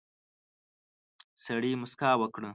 سړي موسکا وکړه.